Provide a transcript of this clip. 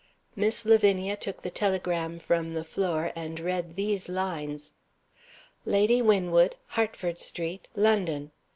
Miss Lavinia took the telegram from the floor, and read these lines: "Lady Winwood, Hertford Street, London.